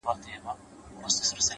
• د پيغورونو په مالت کي بې ريا ياري ده،